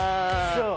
そう。